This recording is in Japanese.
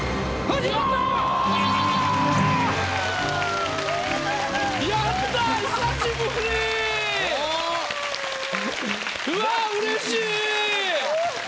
うわうれしい！